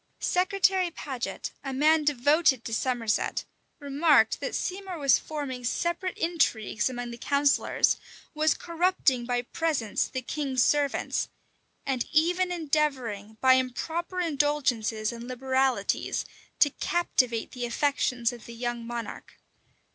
Secretary Paget, a man devoted to Somerset, remarked that Seymour was forming separate intrigues among the counsellors; was corrupting by presents the king's servants; and even endeavoring, by improper indulgences and liberalities, to captivate the affections of the young monarch.